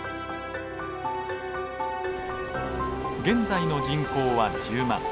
現在の人口は１０万。